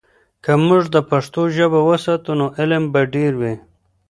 که موږ د پښتو ژبه وساتو، نو علم به ډیر وي.